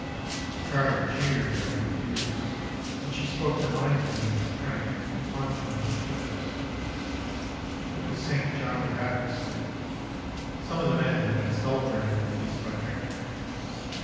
The crowd jeered at her fears, and she spoke her mind to them in frank and unvarnished terms. It was St. John the Baptist's Day. Some of the men had been celebrating the feast by drinking.